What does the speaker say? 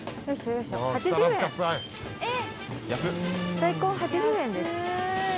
大根８０円です。